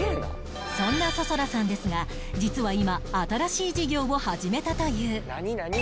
そんな想空さんですが実は今新しい事業を始めたという